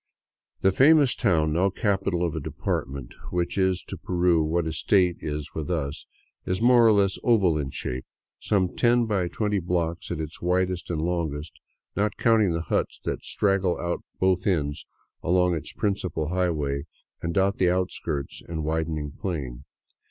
The famous town, now capital of a department, which is to Peru what a state is with us, is more or less oval in shape, some ten by twenty blocks at its widest and longest, not counting the huts that straggle out at both ends along its principal " highway " and dot the outskirts and the widening plain.